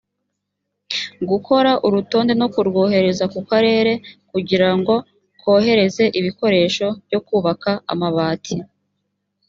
gukora urutonde no kurwohereza ku karere kugira ngo kohereze ibikoresho byo kubaka amabati